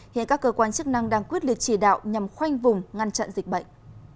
hiện các cơ quan chức năng đang quyết liệt chỉ đạo nhằm khoanh vùng ngăn chặn dịch bệnh